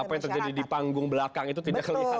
apa yang terjadi di panggung belakang itu tidak kelihatan